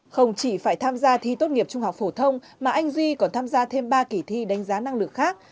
không chỉ phải tham gia thi tốt nghiệp trung học phổ thông mà anh duy còn tham gia thêm ba kỳ thi đánh giá năng lực khác